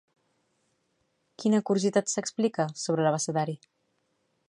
Quina curiositat s'explica sobre l'abecedari?